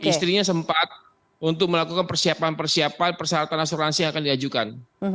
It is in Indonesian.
istrinya sempat untuk melakukan persiapan persiapan persyaratan asuransi yang akan diajukan